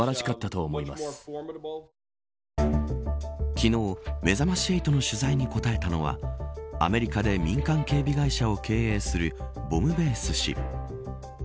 昨日、めざまし８の取材に答えたのはアメリカで民間警備会社を経営するボムベース氏。